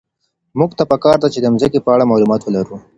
موږ ته په کار ده چي د مځکي په اړه معلومات ولرو.